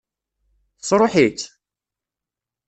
Tesṛuḥ-itt?